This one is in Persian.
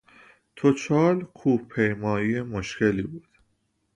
توچال کوه پیمایی مشکلی بود.